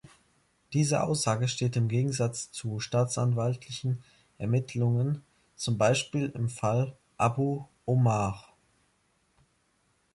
Diese Aussage steht im Gegensatz zu staatsanwaltlichen Ermittlungen zum Beispiel im Fall Abu Omar.